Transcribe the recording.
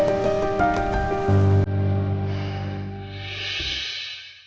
tamu anakbre akun kedaa mengembangkan wifi